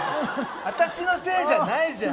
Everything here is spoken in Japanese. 私のせいじゃないじゃん。